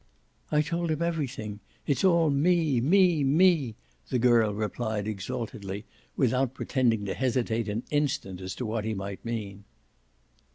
"I told him everything it's all me, ME, ME!" the girl replied exaltedly, without pretending to hesitate an instant as to what he might mean.